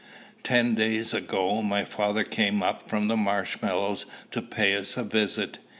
Ten days ago, my father came up from Marshmallows to pay us a visit.